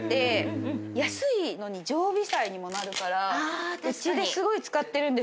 安いのに常備菜にもなるからうちですごい使ってるんですよ。